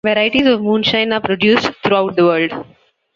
Varieties of moonshine are produced throughout the world.